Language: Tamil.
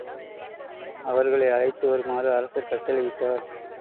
அவர்களை அழைத்து வருமாறு அரசர் கட்டளையிட்டார்.